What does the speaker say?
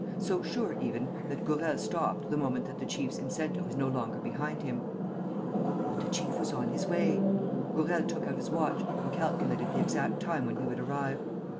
So sure, even, that Gourel stopped the moment that the chief's incentive was no longer behind him. But the chief was on his way! Gourel took out his watch and calculated the exact time when he would arrive.